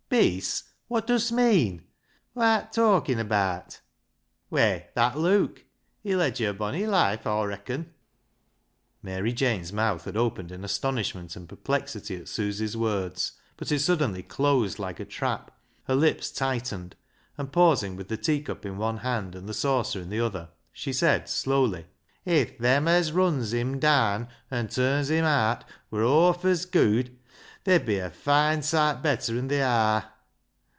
"Peace ! wot dust meean? Whoa art talkin' abaat ?"" Whey, that Luke. He led yo' a bonny life Aw reacon." Mary Jane's mouth had opened in astonish ment and perplexity at Susy's words, but it suddenly closed like a trap, her lips tightened, and pausing with the teacup in one hand and the saucer in the other, she said slowly —" If them as runs him daan and turns him aat wur hawf as gooid, they'd be a foine soight better 'an they are."